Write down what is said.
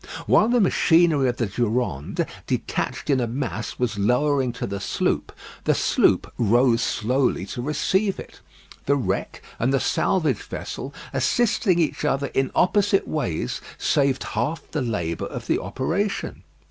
While the machinery of the Durande, detached in a mass, was lowering to the sloop, the sloop rose slowly to receive it. The wreck and the salvage vessel assisting each other in opposite ways, saved half the labour of the operation.